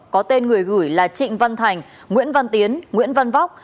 có tên người gửi là trịnh văn thành nguyễn văn tiến nguyễn văn vóc